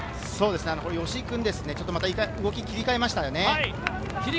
吉居君、動きを切り替えましたよね。